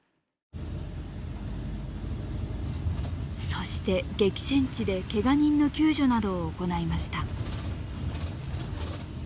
そして激戦地でけが人の救助などを行いました。